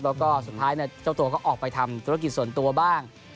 แล้วก็สุดท้ายเจ้าตัวก็ออกไปทำธุรกิจส่วนตัวบ้าง